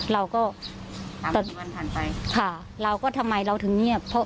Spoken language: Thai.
เราก็สามวันผ่านไปค่ะเราก็ทำไมเราถึงเงียบเพราะ